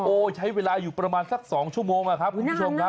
ใช้เวลาอยู่ประมาณสัก๒ชั่วโมงนะครับคุณผู้ชมครับ